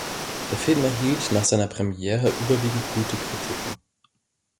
Der Film erhielt nach seiner Premiere überwiegend gute Kritiken.